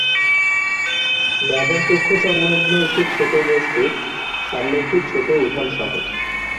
মাজার কক্ষ সংলগ্ন একটি ছোট মসজিদ, সামনে একটি ছোট উঠান সহ।